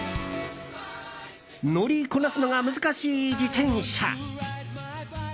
乗りこなすのが難しい自転車。